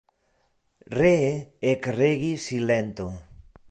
Ree ekregis silento.